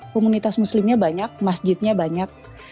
komunitas muslimnya banyak masjidnya banyak